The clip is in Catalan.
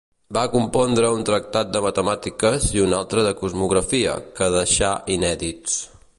Va compondre un tractat de matemàtiques i un altre de cosmografia, que deixà inèdits.